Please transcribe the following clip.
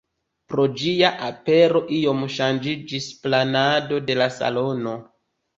Pro ĝia apero iom ŝanĝiĝis planado de la salono.